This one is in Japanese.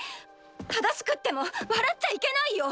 正しくっても笑っちゃいけないよ！